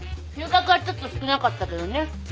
収穫はちょっと少なかったけどね。